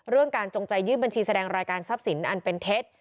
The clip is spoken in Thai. การจงใจยื่นบัญชีแสดงรายการทรัพย์สินอันเป็นเท็จ